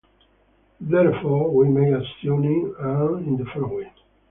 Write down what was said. Therefore, we may assume and in the following.